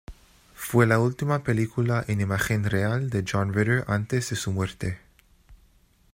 Fue la última película en imagen real de John Ritter antes de su muerte.